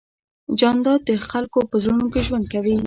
جانداد د خلکو په زړونو کې ژوند کوي.